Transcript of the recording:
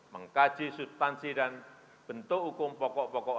mengkaji substansi dan bentuk hukum pokok pokok